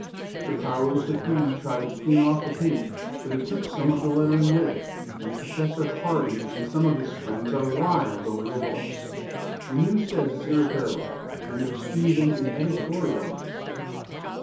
The powers that be tried to clean off the paint, but it took some of the lettering with it, and Prof. Hardee and some of his friends are wild over the loss. The News says it's irreparable, and there's even an editorial on it."